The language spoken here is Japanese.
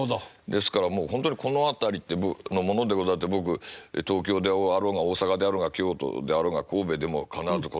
ですからもう本当に「この辺りの者でござる」って僕東京であろうが大阪であろうが京都であろうが神戸でも必ず「この辺り」。